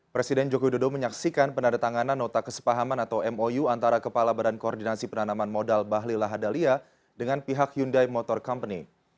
presiden joko widodo menyaksikan penandatanganan nota kesepahaman atau mou antara kepala badan koordinasi penanaman modal bahlil lahadalia dengan pihak hyundai motor company